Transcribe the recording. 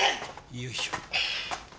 よいしょ。